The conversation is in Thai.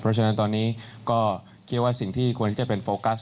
เพราะฉะนั้นตอนนี้ก็คิดว่าสิ่งที่ควรที่จะเป็นโฟกัส